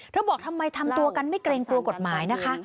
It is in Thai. บอกทำไมทำตัวกันไม่เกรงกลัวกฎหมายนะคะ